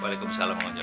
waalaikumsalam mang ojo